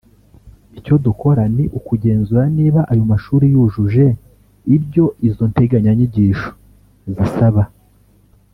Icyo dukora ni ukugenzura niba ayo mashuri yujuje ibyo izo nteganyanyigisho zisaba